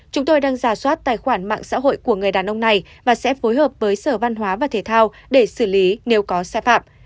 chúng tôi đang giả soát tài khoản mạng xã hội của người đàn ông này và sẽ phối hợp với sở văn hóa và thể thao để xử lý nếu có sai phạm